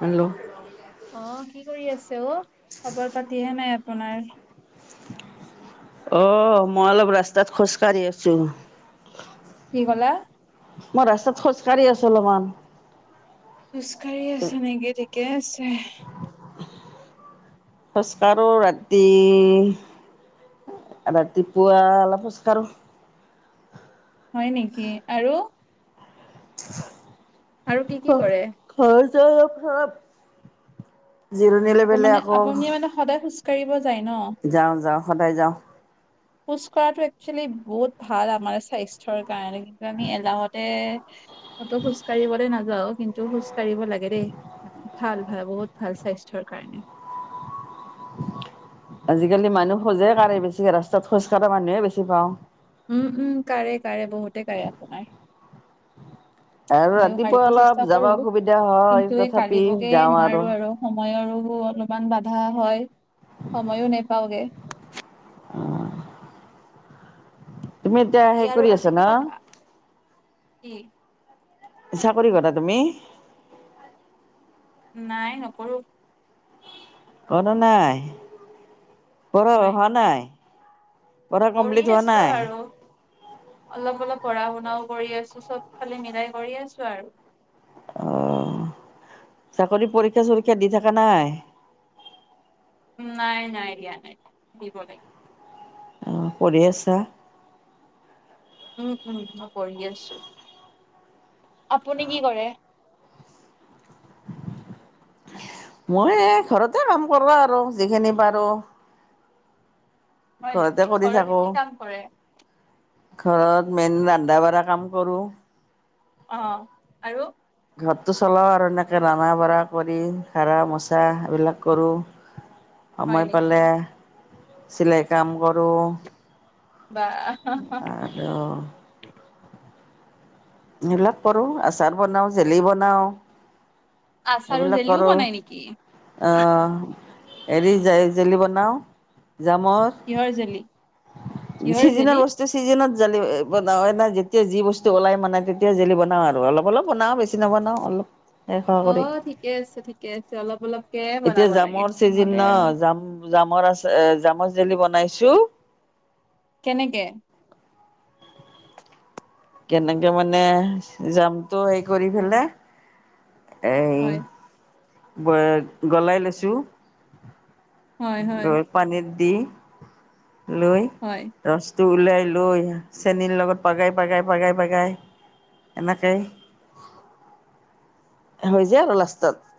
Hello, অ, কি কৰি আছে অ, খবৰ পাতিহে নাই আপোনাৰ? অ, মই অলপ ৰাস্তাত খোজকাঢ়ি আছো। কি ক'লা? মই ৰাস্তাত খোজকাঢ়ি আছো অলমান। খোজকাঢ়ি আছে নেকি ঠিকে আছে। খোজকাঢ়ো ৰাতি ৰাতিপুৱা অলপ খোজ কাঢ়ো। হয় নেকি আৰু? [unintelligible] আৰু কি-কি কৰে? ঘৰ যাই ধলপ জিৰণি লৈ আপ পেলে মানে আকৌ আপুনি মানে সদায় খোজ কাঢ়িব যায় ন'? যাওঁ-যাওঁ সদায় যাওঁ। খোজ কঢ়াটো একচোয়েলি বহুত ভাল আমাৰ স্বাচ - স্থ্যৰ কাৰণে কি কয় আমি এলাহতে কতো খোজ কাঢ়িবলৈ নাযাও কিন্তু খোজ কাঢ়িব লাগে দেই ভাল -ভাল বহুত ভাল স্বাস্থ্যৰ কাৰণে। আজিকালি মানুহ খোজে কাঢ়ে বেছিকে ৰাস্তাত খোজকঢ়া মানুহেই বেছি পাওঁ। উম -উম কাঢ়ে -কাঢ়ে বহুতে কাঢ়ে আপোনাৰ। আৰু মইয়ো ৰাতিপুৱা কাঢ়িব অলপ চেষ্টা যাব কৰো অসুবিধা হয় কিন্তু এই তথাপি কাঢ়িবগে যাওঁ নোৱাৰো আৰু। সময়ৰো অলপমান বাধা হয় সময়ো নেপাওগে। অ', তুমি এতিয়া বাকী হেই আৰু কৰি আজি আছা ন? কিবা কি? চাকৰি কৰা তুমি? নাই নকৰো। কৰা নাই? কৰা হোৱা নাই? পঢ়া পঢ়ি কমপ্লিট হোৱা আছো নাই? আৰু। অলপ অলপ পঢ়া-শুনাও কৰি আছো। চব ফালে মিলাই কৰি আছো আৰু। অ, চাকৰি পৰীক্ষা-চৰীক্ষা দি থাকা নাই? নাই, নাই। দিয়া নাই। দিব লা অ পঢ়ি আছা? উম, উম মই পঢ়ি আছো। আপুনি কি কৰে? মই এ ঘৰতে কাম কৰো আৰু যিখিনি পাৰো। হয় নেকি ঘৰতে কৰি ঘৰত থাকো। কি কাম কৰে ঘৰত মেইন ৰান্ধা-বাঢ়া কাম কৰোঁ। অ, আৰু? ঘৰটো চলাও আৰু এনেকে ৰানা বাঢ়া কৰি সা, মোচা এইবিলাক কৰোঁ। [inaudible] সময় নেকি পালে চিলাই কাম কৰোঁ। বা [unintelligible] অ। এইবিলাক কৰো। আচাৰ বনাওঁ, জেলি বনাওঁ। আচাৰো এইবিলাক জেলিও কৰো। বনাই নেকি অ হেৰি জে জেলি বনাওঁ জামৰ। কিহৰ জেলি কিহৰ চিদিনা জেলি বচ চিজনত জেলী এ বনাও এনাই যেতিয়া যি বস্তু হ'ব লাগে মানে তেতিয়া জেলী বনাওঁ আৰু অলপ অলপ বনাওঁ বেছি নবনাওঁ। অলপ এশ কৰি। অ', ঠিকে আছে ঠিকে আছে অলপ অলপকে এতিয়া বনাব লাগে জামৰ চিজিন নহ'লে ন আৰু জাম জামৰ আছ এ জামৰ জেলি বনাইছো। কেনেকে? কেনেকে মানে জামটো হেই কৰি ফেলে এই হয় ব গলাই লৈছো। হয় গ হয় পানীত দি লৈ হয়। ৰচটো ওলাই লৈ চেনীৰ লগত পাগাই পাগাই পাগাই পাগাই এনেকে হৈ যায় আৰু লাষ্টত।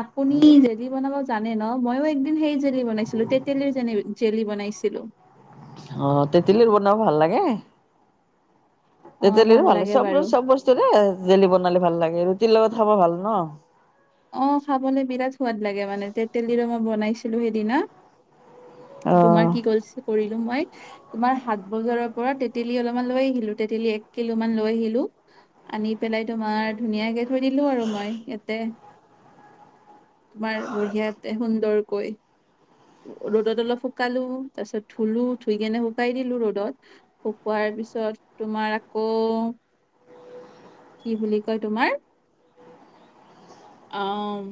আপুনি যেত জেলি বনাব জানে ন? ময়ো একদিন সেই জেলি বনাইছিলো। তেঁতেলীৰ জে জেলি বনাইছিলো। অ তেঁতেলীৰ বনাব ভাল লাগে। তেঁতেলীৰো ভাল লাগে চব চব বচ [unintelligible] জেলি বনালে ভাল লাগে। ৰুটিৰ লগত খাব ভাল ন। অ', খাবলে বিৰাট সোৱাদ লাগে মানে, তেতেলিৰে মই বনাইছিলো সেইদিনা। অ' তোমাৰ কি [unintelligible] কৰিলোঁ মই। তোমাৰ হাত বজাৰৰ পৰা তেতেলী অলপমান লৈ আহিলো, তেতেলী এক কিলো মান লৈ আহিলো। আনি পেলাই তোমাৰ ধুনীয়াকে থৈ দিলো আৰু মই ইয়াতে। তোমাৰ বঢ়িয়াতে সুন্দৰকৈ। ৰ'দত অলপ শুকালো, তাৰপিছত ধুলো ধুই কেনে শুকাই দিলো ৰ'দত। শুকোৱাৰ পিছত তোমাৰ আকৌ কি বুলি কয় তোমাৰ, আম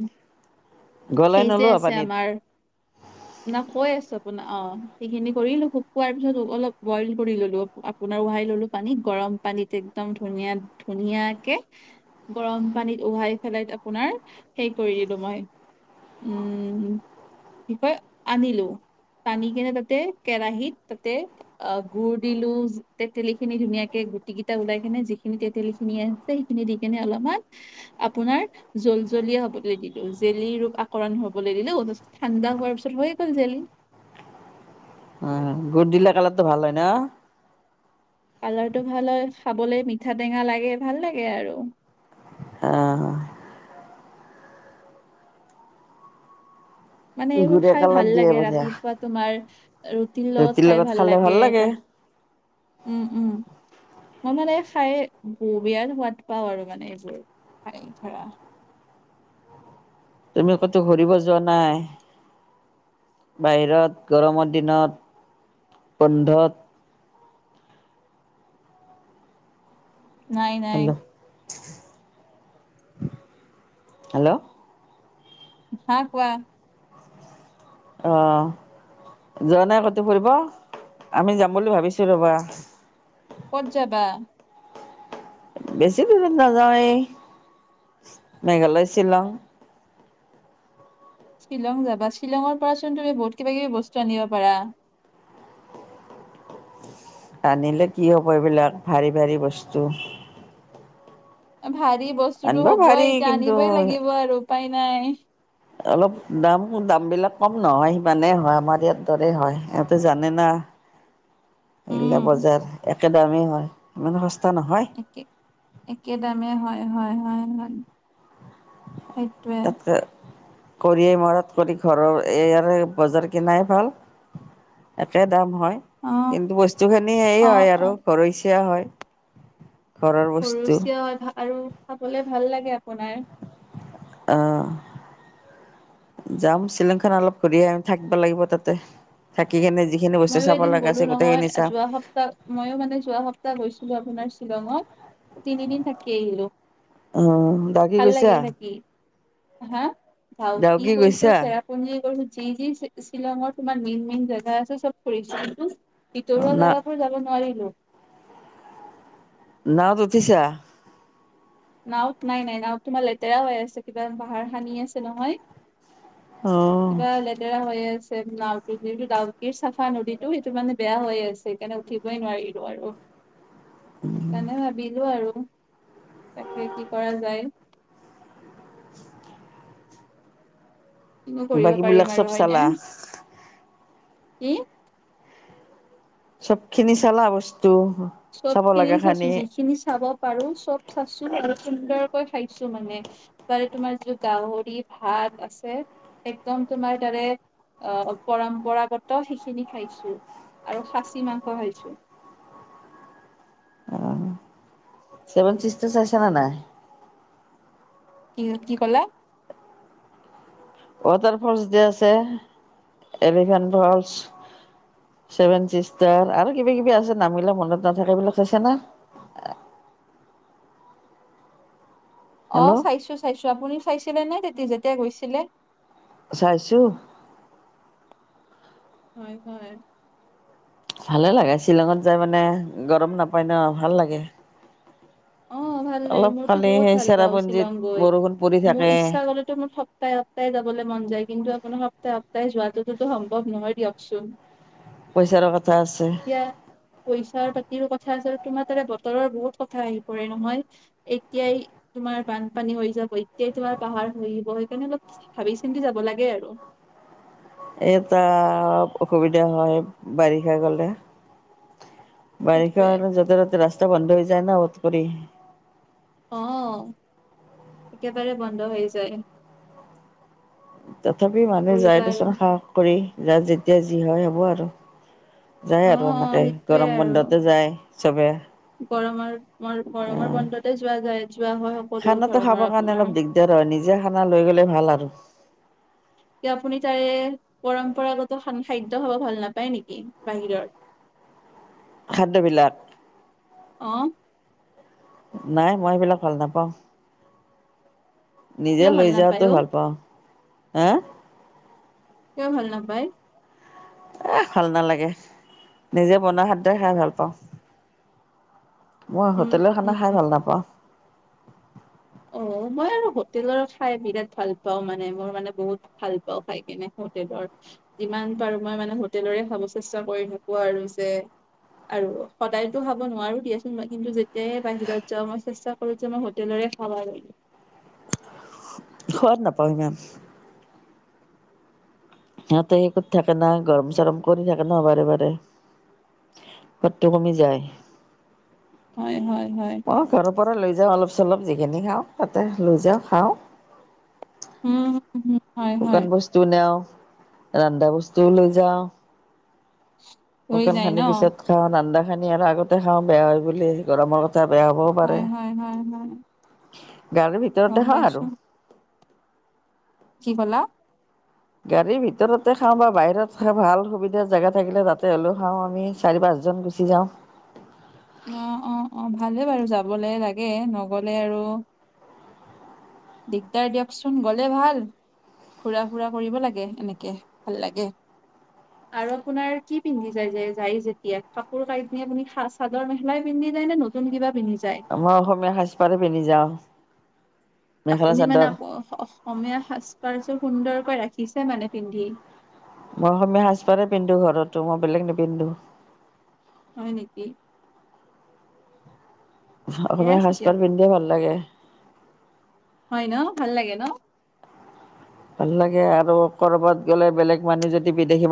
গলাই সেই যে নলোৱা আছে পানীত আমাৰ। না কৈ আছো আপোন অ', সেইখিনি কৰিলো শুকোৱাৰ পিছত অলপ বইল কৰি ল'লো। আপোনাৰ ওহাই ল'লো পানীত গৰম পানীত একদম ধুনীয়া ধুনীয়াকে। গৰম পানীত উহাই ফেলাইত আপোনাৰ হেই কৰি দিলো মই। উম, কি কয় আনিলোঁ। আনি কিনে তাতে কেৰাহীত তাতে অ, গুড় দিলো তেতেলী খিনি ধুনীয়াকে গুটি কিটা ওলাই কিনে যিখিনি তেতেলি খিনিয়ে তে এইখিনি দি কেনে অলমান আপোনাৰ জল-জলীয়া হ'বলে দি দু জেলি ৰূপ আকৰণ হ'বলে দিলো তাছত ঠাণ্ডা হোৱাৰ পিছত হৈয়ে গ'ল জেলি। অ, গুৰ দিলে কালাৰটো ভাল হয় ন? কালাৰটো ভাল হয় খাবলে মিঠা, টেঙা লাগে ভাল লাগে আৰু। আহ, মানে এইবোৰ গুৰে খাই কালাৰ ভাল দিয়ে লাগে বঢ়িয়া। ৰাতিপুৱা তোমাৰ ৰুটিৰ লগত খাই ভাল লাগে তা উম- উম। মই মানে খাই বিৰাট সোৱাদ পাওঁ আৰু মানে এইবোৰ খাই ধৰা। তুমি ক'তো ঘূৰিব যোৱা নাই? বাহিৰত গৰমৰ দিনত বন্ধত? নাই-নাই হেল্ল' হেল্ল' হা কোৱা? অ, যোৱা নাই ক'ত ফুৰিব আমি যাম বুলি ভাবিছো ৰ'বা। ক'ত যাবা? বেছি দূৰত নাযাওঁ এ মেঘালয় শ্বিলং। শ্বিলং যাবা শ্বিলঙৰ পৰা চোন তুমি বহুত কিবা-কিবি বস্তু আনিব পাৰা? আনিলে কি হ'ব এইবিলাক ভাৰী -ভাৰী বস্তু। ভাৰী বস্তুটো আনিব পাৰি হ'ব‌ই এতিয়া কিন্তু আনিবই লাগিব আৰু উপায় নাই। অলপ দাম -দামবিলাক কম নহয় সিমানেই হয় আমাৰ ইয়াত দৰেই হয় এহতে জানে না। [inaudible] এইগিলা উম বজাৰ একে দামেই হয় ইমান সস্তা নহয়। [unintelligible] একে দামেই হয়-হয়-হয়-হয়। তাতকে কৰিয়েই মৰাত কৰি ঘৰৰ এইয়াৰে বজাৰ কিনাই ভাল। একে দাম হয় অ কিন্তু বস্তু খিনি এই অ হয় অ আৰু ঘৰচিয়া হয়। ঘৰৰ বস্তু সুৰুচিয় [unintelligible] আৰু খাবলে ভাল লাগে আপোনাৰ। আহ, যাম শ্বিলংখান অলপ ফূৰি আহিম থাকবা লাগব তাতে। থাকি কিনে যিখিনি বস্তু চাব লাগা আছে গোটেইখিনি চাম। ত' ময়ো মানে যোৱা সপ্তাহ গৈছিলোঁ আপোনাৰ শ্বিলঙত, তিনিদিন থাকি আহিলোঁ। আহ ডাউকি ভাল গৈছা? লাগিল থাকি হা? ডাউকী ডাউকি গৈছোঁ গৈছা? চেৰা পুঞ্জি যি- যি শ্বিলঙৰ তোমাৰ মেইন- মেইন জেগা আছে ফুৰিছোঁ কিন্তু ভিতৰুৱা না জাগাবোৰ যাব নোৱাৰিলোঁ। নাওত উঠিছা? নাওত নাই -নাই নাওত তোমাৰ লেতেৰা হৈ আছে কিবা বাহাৰ সানি আছে নহয়। অহ কিবা লেত তেৰা হৈ আছে নাওটো যিহেতু ডাউকিৰ চাফা নদীটো সেইটো মানে বেয়া হৈ আছে। এইকাৰণে উঠি ব‌ই নোৱাৰিলোঁ আৰু সেইকাৰণে ভাবিলোঁ আৰু তাকে কি কৰা যায়। কিনো কৰিব বাকীবিলাক পাৰিম আৰু চব হয়নে, চালা? কি? চব খিনি চালা বস্তু? চব চাব খিনি লগা চাছো যিখিনি চাব পাৰো চব চাছো আৰু সুন্দৰকৈ খাইছো মানে। তাৰে তোমাৰ যি গাহৰি ভাত আছে একদম তোমাৰ তাৰে অ, পৰম্পৰাগত সিখিনি খাইছো আৰু খাচী মাংস খাইছো। অ, চেভেন চিষ্টাৰ চাইছা নে নাই? কি -কি ক'লা? ৱাটাৰ ফলচ যে আছে,, এলিফেণ্ট ফলচ। ছেভেন ছিষ্টাৰ, আৰু কিবা কিবি আছে নামবিলাক মনত নাথাকে সেইবিলাক চাইছা নে। অ', হেল্ল' চাইছো- চাইছো, আপুনি চাইছিলে নাই তেতিয়া যেতিয়া গৈছিলে। চাইছোঁ। হয়- হয়। ভালে লাগে শ্বিলঙত যায় মানে গৰম নাপায় ন, ভাল লাগে। অ', ভাল লাগে অলপ মোৰতো খালি সেই বহুত ভাল পাওঁ চেৰাপুঞ্জীত শ্বিলং গৈ, বৰষুণ পৰি মোৰ থাকে ইচ্ছা গ'লেতো মোৰ সপ্তাহে সপ্তাহে যাবলে মন যায়, কিন্তু আপোনাৰ সপ্তাহে-সপ্তাহে যোৱাটোতো সম্ভৱ নহয় দিয়কচোন। পইচাৰো কথা আছে। এতিয়া পইচাৰ পাতিৰো কথা আছে, আৰু তোমাৰ তাৰে বতৰৰ বহুত কথা আহি কৰে নহয়, এতিয়াই তোমাৰ বানপানী হৈ যাব, এতিয়াই তোমাৰ পাহাৰ খহিব সেইকাৰণে অলপ ভাবি চিন্তি যাব লাগে আৰু। এই তাত অসুবিধা হয় বাৰিষা গ'লে। বাৰিষা সেইটোৱে হলে য'তে ত'তে ৰাস্তা বন্ধ হৈ যায় ন [unintelligible] কৰি। অ', একেবাৰে বন্ধ হৈ যায়। তথাপিও কি মানুহে যায় কৰিবা আৰু দেচোন সাহস কৰি, যাৰ যেতিয়া যি হয় হ'ব আৰু। অ যায় অ আৰু এনেকে, সেইটোৱে গৰম আৰু বন্ধতে যায় চবে। গৰমৰ মোৰ গৰমৰ অ'। বন্ধতে যোৱা যায় যোৱা হয় সকলো খানাটো ধৰণৰ খাবৰ কাৰণে আপোনাৰ অলপ দিগদাৰ হয়, নিজে খানা লৈ গ'লে ভাল আৰু। এতিয়া আপুনি তাৰে পৰম্পৰাগত [unintelligible] খাদ্য খাব ভাল নাপায় নেকি বাহিৰৰ। [inaudible] খাদ্যবিলাক, অ নাই মই সেইবিলাক ভাল নাপাওঁ। নিজে কিয় ভাল লৈ নাপায় যোৱাতো অ ভাল পাওঁ, হা। কিয় ভাল নাপায়। এ ভাল নালাগে, নিজে বনোৱা খাদ্যই খাই ভাল পাওঁ। মই উম হোটেলৰ খানা উম খাই ভাল নাপাওঁ। অ', মই আৰু হোটেলৰ খাই বিৰাট ভাল পাওঁ মানে, মোৰ মানে বহুত ভাল পাওঁ খাই কিনে হোটেলৰ, যিমান পাৰো মই মানে হোটেলৰে খাব চেষ্টা কৰি থাকো আৰু যে আৰু সদায়তো খাব নোৱাৰো দিয়াচোন, মই কিন্তু যেতিয়াই বাহিৰত যাওঁ মই চেষ্টা কৰো যে মই হোটেলৰে [unintelligible] সোৱাদ নাপাওঁ ইমান। সিহঁতে সেই কৰি থাকে না, গৰম চৰম কৰি থাকে না বাৰে-বাৰে। সোৱাদটো কমি যায়। হয় হয়-হয়। অ', ঘৰৰ পৰা লৈ যাওঁ অলপ চলপ যিখিনি খাওঁ তাতে লৈ যাওঁ, খাওঁ। উম, হুম। [inaudible] শুকান বস্তুও নিউ, ৰন্ধা বস্তুও লৈ যাও। [inaudible] শুকান যায় ন? খিনি পিছত খাওঁ, ৰন্ধা খানি আৰু আগতে খাওঁ বেয়া হয় বুলি, গৰমৰ কথা বেয়া হ'ব। হয়-হয়-হয়-হয়। গাড়ী ভিতৰতে খাওঁ আৰু। কি ক'লা? গাড়ীৰ ভিতৰতে খাওঁ বা বাহিৰত ভাল সুবিধা জাগা থাকিলে তাতে হলেও খাওঁ আমি। চাৰি পাঁচজন গুচি যাওঁ। অ', অ', অ', ভালে বাৰু যাবলে লাগে, নগলে আৰু দিগদাৰ দিয়কচোন, গলে ভাল। ঘুৰা ফুৰা কৰিব লাগে এনেকে, ভাল লাগে। আৰু আপোনাৰ কি পিন্ধি যায় যে যায় যেতিয়া, কাপোৰ কাট আপুনি চাদৰ মেখেলাই পিন্ধি যায় নে ন নতুন কিবা পিন্ধি যায়? মই অসমীয়া সাজপাৰ পিন্ধি যাওঁ। মেখেলা আপুনি মানে চাদৰ আ-অসমীয়া সাজ পাৰ চোৰ সুন্দৰকৈ ৰাখিছে মানে পিন্ধি? মই অসমীয়া সাজপাৰে পিন্ধো ঘৰতো মই বেলেগ নিপিন্ধো। হয় নেকি? ঠিকে অসমীয়া আছে দিয়ক সাজপাৰ পিন্ধেয়ে ভাল লাগে। হয় ন, ভাল লাগে ন? ভাল লাগে আৰু ক'ৰবাত গে'লে বেলেগ মানুহ যদি বিদেশী মানুহ